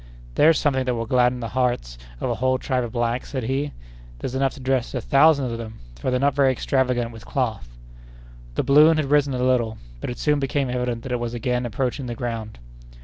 "There's something that will gladden the hearts of a whole tribe of blacks," said he; "there's enough to dress a thousand of them, for they're not very extravagant with cloth." The balloon had risen a little, but it soon became evident that it was again approaching the ground.